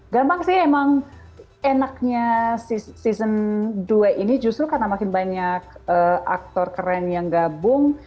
gampang sih emang enaknya season dua ini justru karena makin banyak aktor keren yang gabung